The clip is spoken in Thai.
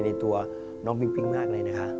ในตัวน้องปิ๊งปิ๊งมากเลยนะคะ